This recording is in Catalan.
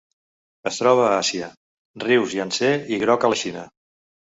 Es troba a Àsia: rius Iang-Tsé i Groc a la Xina.